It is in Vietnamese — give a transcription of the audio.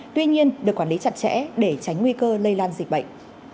tuy nhiên được quản lý chặt chẽ để tránh nguy cơ lây lan dịch bệnh